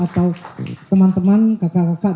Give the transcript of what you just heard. atau teman teman kakak kakak